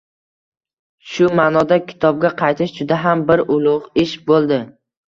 Shu maʼnoda kitobga qaytish juda ham bir ulugʻ ish boʻldi.